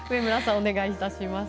お願いいたします。